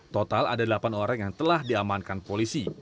total ada delapan orang yang telah diamankan polisi